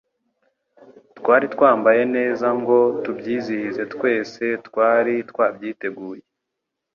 Twari twambaye neza ngo tubyizihize twese twari twabyiteguye.